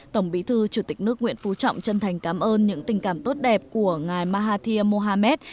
tổng bí thư chủ tịch nước nguyễn phú trọng chân thành cảm ơn những tình cảm tốt đẹp của ngài mahathir mohamad